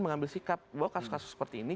mengambil sikap bahwa kasus kasus seperti ini